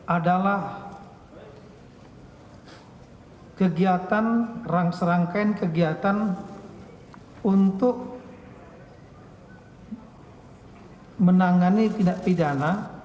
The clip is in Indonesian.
adalah kegiatan rangkain rangkain kegiatan untuk menangani tindak pidana